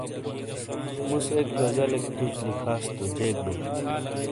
مس اک غزلیک تُج لکھاس تو جیک بئیی۔